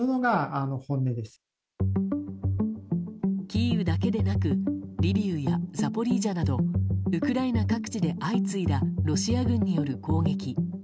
キーウだけでなくリビウやザポリージャなどウクライナ各地で相次いだロシア軍による攻撃。